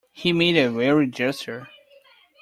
He made a weary gesture.